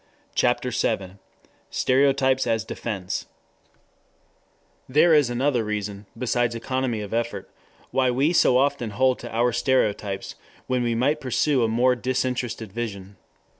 CHAPTER VII STEREOTYPES AS DEFENSE 1 THERE is another reason, besides economy of effort, why we so often hold to our stereotypes when we might pursue a more disinterested vision.